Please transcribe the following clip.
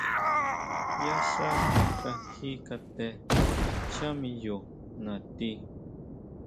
Yá xá kaji kate ncháa miyo natí.